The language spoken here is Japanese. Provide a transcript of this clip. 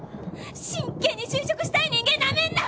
真剣に就職したい人間なめんな！